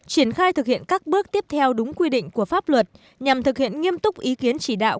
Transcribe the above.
triển khai thực hiện các bước tiếp theo đúng quy định của pháp luật nhằm thực hiện nghiêm túc ý kiến chỉ đạo